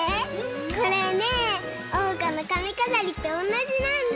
これねえおうかのかみかざりとおんなじなんだ！